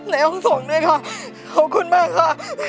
ในห้องส่งด้วยค่ะขอบคุณมากค่ะ